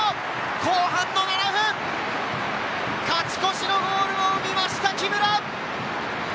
後半の７分、勝ち越しのゴールを生みました木村！